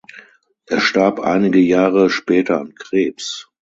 Er starb einige Jahre später an Krebs.